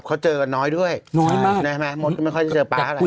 เขาเจอกันน้อยด้วยจากคุยโทรศัพท์ทุกวัน